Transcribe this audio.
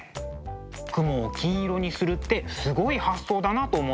雲を金色にするってすごい発想だなと思ったんです。